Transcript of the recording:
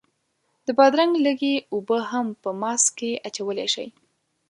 د بادرنګ لږې اوبه هم په ماسک کې اچولی شئ.